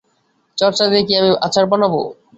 চর্চা দিয়ে কি আমি আচার বানাবো?